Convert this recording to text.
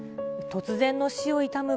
突然の死を悼む